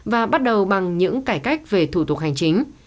và bắt đầu bằng những cải cách về thủ tục hành chính